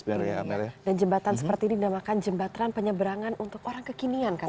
dan jembatan seperti ini dinamakan jembatan penyeberangan untuk orang kekinian